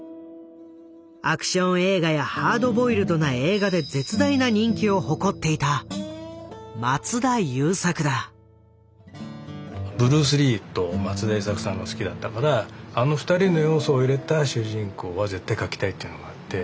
アクション映画やハードボイルドな映画で絶大な人気を誇っていたブルース・リーと松田優作さんが好きだったからあの２人の要素を入れた主人公は絶対描きたいっていうのがあって。